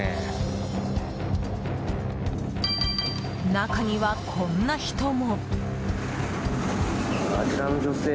中には、こんな人も。